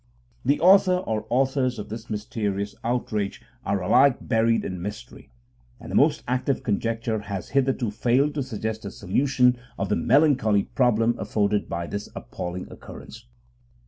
The author or authors of this mysterious outrage are alike buried in mystery, and the most active conjecture has hitherto failed to suggest a solution of the melancholy problem afforded by this appalling occurrence.